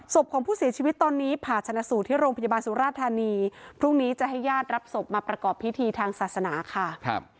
ศพของผู้เสียชีวิตตอนนี้ผ่าชนะสูตรที่โรงพยาบาลสุราธานีพรุ่งนี้จะให้ญาติรับศพมาประกอบพิธีทางศาสนาค่ะครับ